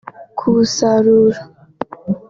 kuwusarura